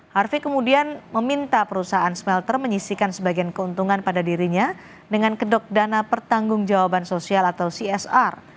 harfi kemudian meminta perusahaan smelter menyisikan sebagian keuntungan pada dirinya dengan kedok dana pertanggung jawaban sosial atau csr